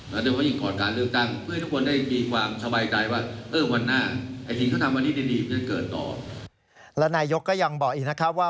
และนายกก็ยังบอกอีกนะครับว่า